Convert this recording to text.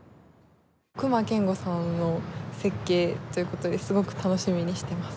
隈研吾さんの設計ということですごく楽しみにしてます